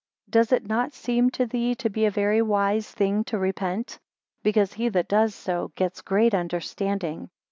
Does it not seem to thee to be a very wise thing to repent? Because he that does so gets great understanding.